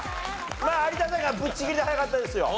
有田さんがぶっちぎりで早かったですよ。